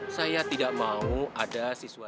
saya tidak mau ada siswa